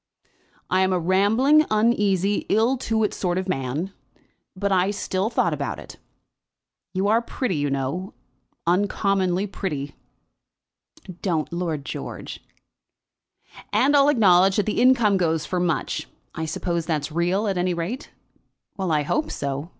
"I am a rambling, uneasy, ill to do sort of man; but still I thought about it. You are pretty, you know, uncommonly pretty." "Don't, Lord George." "And I'll acknowledge that the income goes for much. I suppose that's real at any rate?" "Well; I hope so.